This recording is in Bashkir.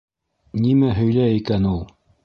Нимә һөйләй икән ул?